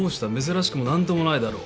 珍しくも何ともないだろ。